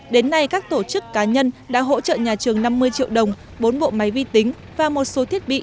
đến nay các tổ chức cá nhân đã hỗ trợ nhà trường năm mươi triệu đồng bốn bộ máy vi tính và một số thiết bị